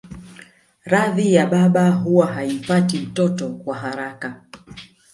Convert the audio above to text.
Radhi ya baba huwa haimpati mtoto kwa haraka